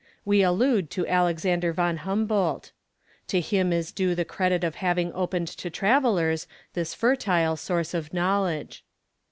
We allude to Alexander von Humboldt. To him is due the credit of having opened to travellers this fertile source of knowledge.